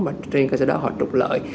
và trên cái số đó họ trục lợi